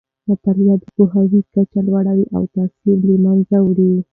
مطالعه د پوهاوي کچه لوړوي او تعصب له منځه وړي.